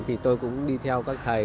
thì tôi cũng đi theo các thầy